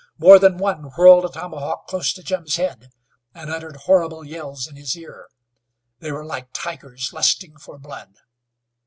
More than one whirled a tomahawk close to Jim's head, and uttered horrible yells in his ear. They were like tigers lusting for blood.